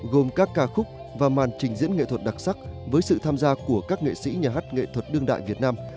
gồm các ca khúc và màn trình diễn nghệ thuật đặc sắc với sự tham gia của các nghệ sĩ nhà hát nghệ thuật đương đại việt nam